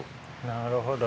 なるほど。